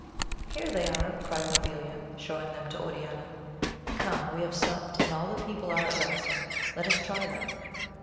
Here they are ! cried Mabilia, showing them to Oriana : Come, we have supped, and all the people are at rest ! let us try them.